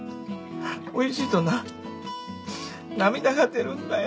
おいしいとな涙が出るんだよ。